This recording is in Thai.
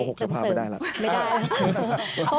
กูโกหกประมาณว่ามันไม่ได้หรอก